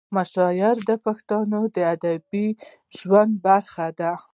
مشاعرې د پښتنو د ادبي ژوند برخه ده.